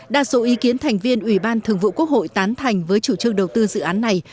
đa số ý kiến thành viên ủy ban thường vụ quốc hội tán thành với chủ trương đầu tư dự án này